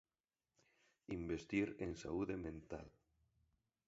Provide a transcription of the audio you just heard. Investir en saúde mental.